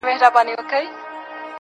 كله، ناكله غلتيږي څــوك غوصه راځـي.